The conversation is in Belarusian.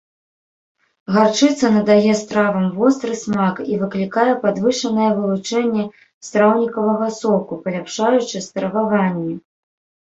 Гарчыца надае стравам востры смак і выклікае падвышанае вылучэнне страўнікавага соку, паляпшаючы страваванне.